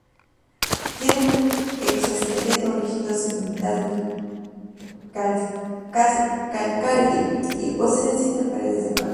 Tienen un exoesqueleto rígido, segmentado y calcáreo, y poseen siete pares de patas.